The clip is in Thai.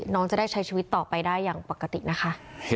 น้องจะได้ใช้ชีวิตต่อไปได้อย่างปกตินะคะ